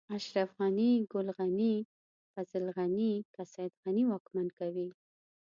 اشرف غني، ګل غني، فضل غني، که سيد غني واکمن کوي.